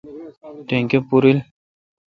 ٹیکہ پورل ۔